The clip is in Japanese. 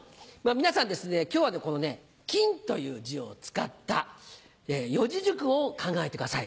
皆さんですね今日はこの「金」という字を使った四字熟語を考えてください。